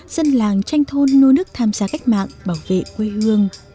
dân làng tranh thôn nô nước tham gia cách mạng bảo vệ quê hương